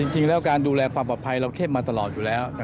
จริงแล้วการดูแลความปลอดภัยเราเข้มมาตลอดอยู่แล้ว